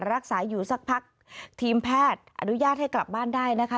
รักษาอยู่สักพักทีมแพทย์อนุญาตให้กลับบ้านได้นะคะ